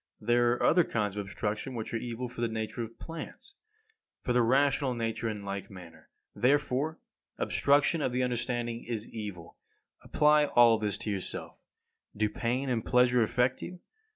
There are other kinds of obstruction which are evil for the nature of plants. For the rational nature in like manner, therefore, obstruction of the understanding is evil. Apply all this to yourself. Do pain and pleasure affect you?